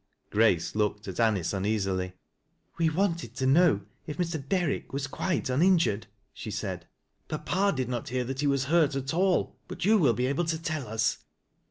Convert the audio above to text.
Grace glanced at Anice uneasily " We wanted to know if Mr. Derrick was qnite unin jured," she said. " Papa did not hear that he was hurl at all, but you will be able to tell us." 80 THAT LASS 0' LOWBIE'S.